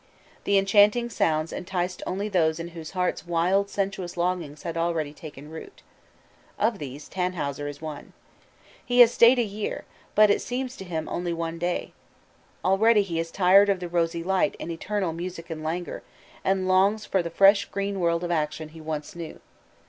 "The enchanting sounds enticed only those in whose hearts wild sensuous longings had already taken root." Of these Tannhäuser is one. He has stayed a year, but it seems to him only one day. Already he is tired of the rosy light and eternal music and languor, and longs for the fresh green world of action he once knew.